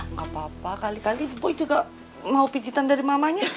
nggak apa apa kali kali ibu juga mau picitan dari mamanya